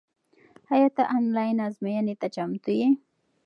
آیا ته آنلاین ازموینې ته چمتو یې؟